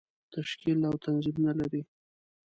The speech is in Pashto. تشکیل او تنظیم نه لري.